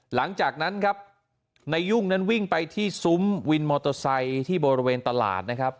หลังจากนั้นครับนายยุ่งนั้นวิ่งไปที่ซุ้มวินมอเตอร์ไซค์ที่บริเวณตลาดนะครับ